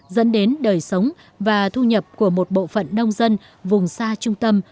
dẫn đến đời sống và thu nhập của một bộ phận nông dân vùng xa trung tâm